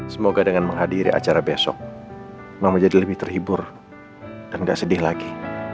semoga dengan menghadiri acara besok memang menjadi lebih terhibur dan gak sedih lagi